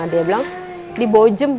dia bilang di bojem